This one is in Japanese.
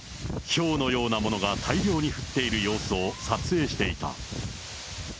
ひょうのようなものが大量に降っている様子を撮影していた。